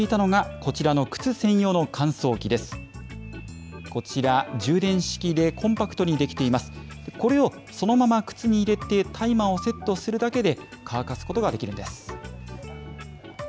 これをそのまま靴に入れて、タイマーをセットするだけで、乾かすことができるんです。